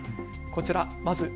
こちら。